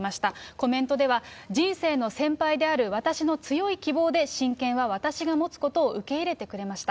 コメントでは、人生の先輩である、私の強い希望で親権は私が持つことを受け入れてくれました。